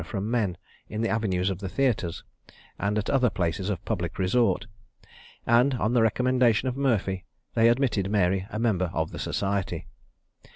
from men, in the avenues of the theatres, and at other places of public resort; and, on the recommendation of Murphy, they admitted Mary a member of the society.